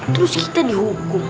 terus kita dihukum